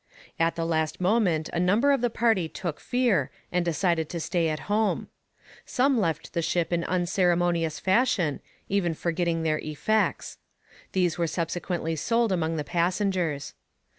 At the last moment a number of the party took fear and decided to stay at home. Some left the ship in unceremonious fashion, even forgetting their effects. These were subsequently sold among the passengers.